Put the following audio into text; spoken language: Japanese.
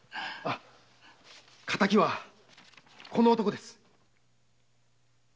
敵はこの男です。